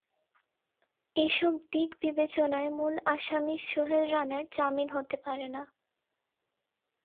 এসব দিক বিবেচনায় মূল আসামি সোহেল রানার জামিন হতে পারে না।